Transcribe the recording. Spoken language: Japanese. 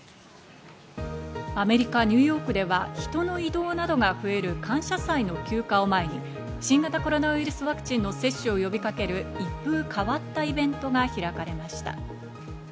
アメリカ・ニューヨークでは人の移動などが増える感謝祭の休暇を前に、新型コロナウイルスワクチンの接種を呼びかける一風変わったイベントが開かれました。